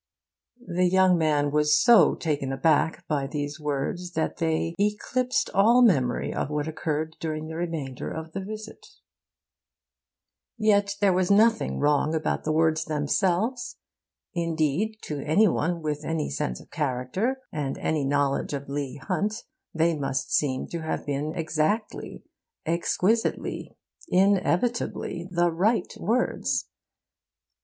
The young man was so taken aback by these words that they 'eclipsed all memory of what occurred during the remainder of the visit.' Yet there was nothing wrong about the words themselves. Indeed, to any one with any sense of character and any knowledge of Leigh Hunt, they must seem to have been exactly, exquisitely, inevitably the right words.